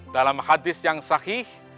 dalam hadis yang sahih